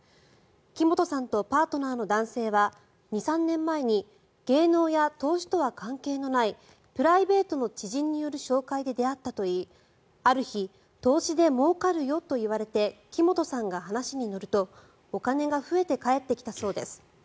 木本さんとパートナーの男性は２３年前に芸能や投資とは関係のないプライベートの知人による紹介で出会ったといいある日投資でもうかるよと言われて木本さんが話に乗るとお金が増えて返ってきたそうです。